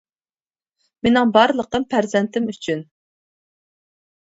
مېنىڭ بارلىقىم پەرزەنتىم ئۈچۈن.